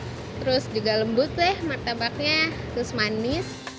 terus juga lembut deh martabaknya terus manis